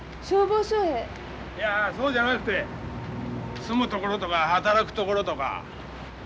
いやそうじゃなくて住む所とか働く所とか。